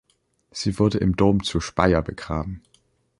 Sie wurde im Dom zu Speyer begraben.